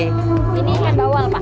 ini ikan bawal pak